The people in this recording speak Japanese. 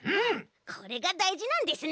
これがだいじなんですね。